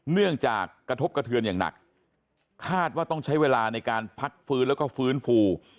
เนื่องจากกระทบกระเทือนอย่างหนักคาดว่าต้องใช้เวลาในการพักฟื้นแล้วก็ฟื้นฟู